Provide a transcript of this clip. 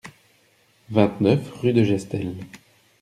vingt-neuf rue de Gestel